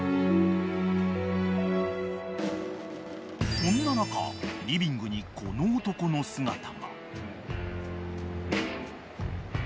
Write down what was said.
［そんな中リビングにこの男の姿が］